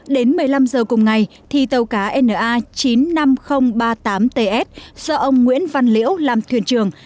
đến một mươi năm giờ cùng ngày thì tàu cá na chín mươi năm nghìn ba mươi tám ts do ông nguyễn văn liễu làm thuyền trưởng